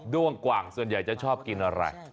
้วงกว่างส่วนใหญ่จะชอบกินอะไร